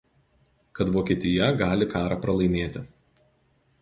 kad Vokietija gali karą pralaimėti